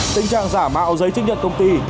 tình trạng giả mạo giấy chứng nhận công ty